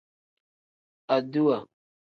Aduwa.